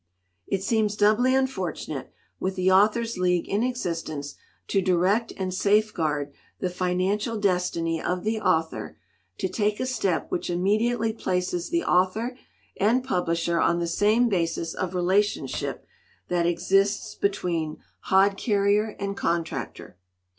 "It seems doubly unfortunate, with the Authors' League in existence to direct and safeguard the financial destiny of the author, to take a step which immediately places the author and pub lisher on the same basis of relationship that exists between hod carrier and contractor.